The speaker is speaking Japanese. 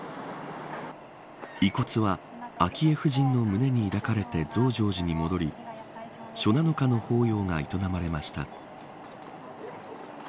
遺骨は、昭恵夫人の胸に抱かれて増上寺に戻り初七日の法要が営まれました。